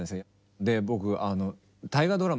で僕あの「大河ドラマ」